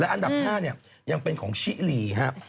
และอันดับ๕ยังเป็นของชิลีครับ